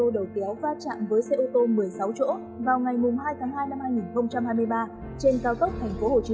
đầu kéo va chạm với xe ô tô một mươi sáu chỗ vào ngày mùng hai tháng hai năm hai nghìn hai mươi ba trên cao cấp thành phố hồ chí